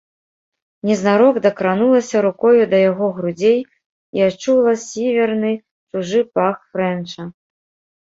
Незнарок дакранулася рукою да яго грудзей і адчула сіверны, чужы пах фрэнча.